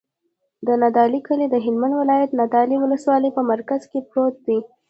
د نادعلي کلی د هلمند ولایت، نادعلي ولسوالي په مرکز کې پروت دی.